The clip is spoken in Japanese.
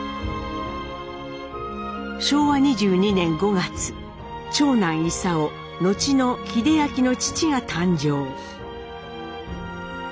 昭和２２年５月長男勲後の英明の父が誕生。